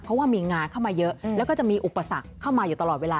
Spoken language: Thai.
เพราะว่ามีงานเข้ามาเยอะแล้วก็จะมีอุปสรรคเข้ามาอยู่ตลอดเวลา